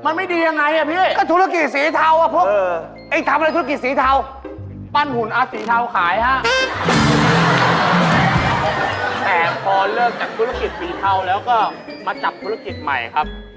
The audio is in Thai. แหมพอเลิกจากธุรกิจสีเทาแล้วก็มาจับธุรกิจใหม่ครับ